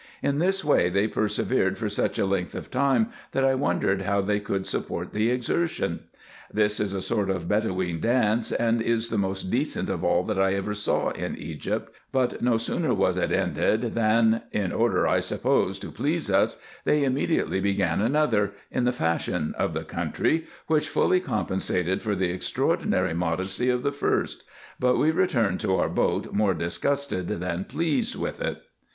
In this they persevered for such a length of time, that I wondered how they could support the exertion. This is a sort of Eedoween dance, and is the most decent of all that I ever saw in Egypt ;— but no sooner was it ended, than, in order I suppose to please us, they immediately began another, in the fashion of the country, which fully compensated for the extraordinary modesty of the first : but we returned to our boat more disgusted than pleased with it.